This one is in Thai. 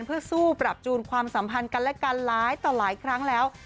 เพื่อสู้ปรับจูนความสัมพันธ์กันและกันหลายต่อหลายครั้งแล้ว